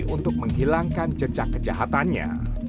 untuk menghilangkan jejak kejahatannya